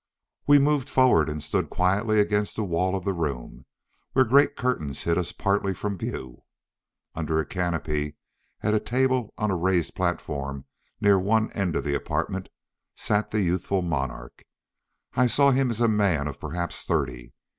We moved forward and stood quietly against the wall of the room, where great curtains hid us partly from view. Under a canopy, at a table on a raised platform near one end of the apartment, sat the youthful monarch. I saw him as a man of perhaps thirty.